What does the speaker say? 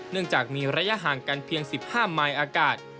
จากมีระยะห่างกันเพียง๑๕มายอากาศ